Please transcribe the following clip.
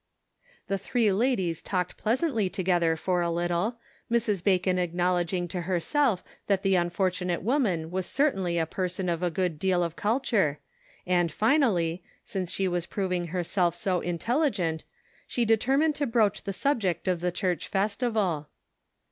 The three ladies talked pleasantly together for a little, Mrs. Bacon acknowledging to her self that the unfortunate woman was certainly a person of a good deal of culture, and, finally, since she was proving herself so intelligent, 70 The Pocket Measure. she determined to broach the subject of the church festival.